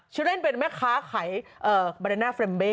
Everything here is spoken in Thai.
ฉันเล่นเป็นแม่ค้าขายมานาฟเรมเบ